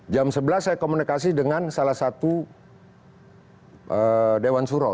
jam sebelas saya komunikasi dengan salah satu dewan suro